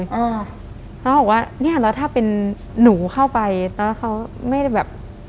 เขาบอกว่าเนี่ยแล้วถ้าเป็นหนูเข้าไปแล้วเขาไม่ได้แบบ